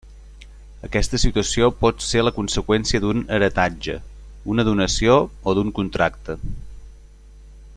Aquesta situació pot ser la conseqüència d'un heretatge, d'una donació o d'un contracte.